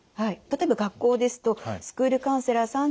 例えば学校ですとスクールカウンセラーさん